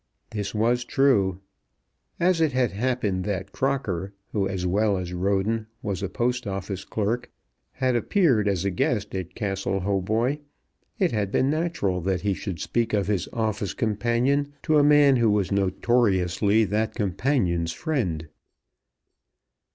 This was true. As it had happened that Crocker, who as well as Roden was a Post Office Clerk, had appeared as a guest at Castle Hautboy, it had been natural that he should speak of his office companion to a man who was notoriously that companion's friend.